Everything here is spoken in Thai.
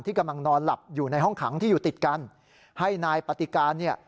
กำลังนอนหลับอยู่ในห้องขังที่อยู่ติดกันให้นายปฏิการเนี่ย